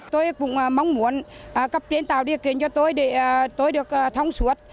tôi cũng mong muốn cấp tiến tàu địa kiến cho tôi để tôi được thông suốt